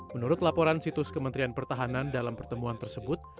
menurut laporan situs kementerian pertahanan dalam pertemuan tersebut